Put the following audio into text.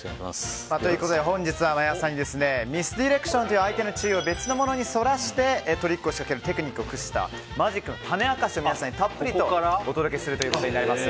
本日は魔耶さんにミスディレクションという相手の注意を別のものにそらしてトリックを仕掛けるというマジックの種明かしをたっぷりとお届けすることになります。